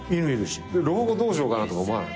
老後どうしようかなとか思わない？